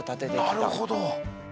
なるほど。